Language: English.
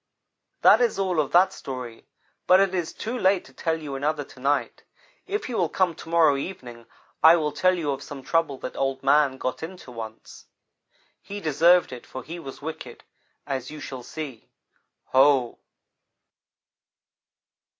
"That is all of that story, but it is too late to tell you another to night. If you will come to morrow evening, I will tell you of some trouble that Old man got into once. He deserved it, for he was wicked, as you shall see. Ho!"